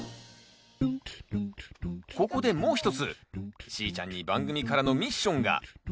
ここでもう一つしーちゃんに番組からのミッションが。